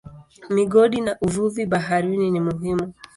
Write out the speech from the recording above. Migodi na uvuvi baharini ni muhimu.